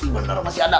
bener masih ada